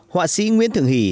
họa sĩ nguyễn thượng hỷ